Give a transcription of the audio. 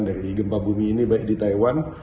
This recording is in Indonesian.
dari gempa bumi ini baik di taiwan